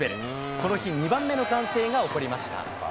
この日２番目の歓声が起こりました。